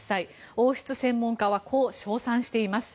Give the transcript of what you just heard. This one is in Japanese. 王室専門家はこう称賛しています。